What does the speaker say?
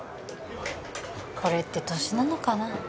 これって年なのかな